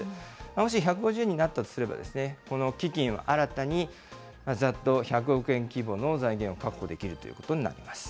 もし１５０円になったとすれば、この基金は新たに、ざっと１００億円規模の財源を確保できるということになります。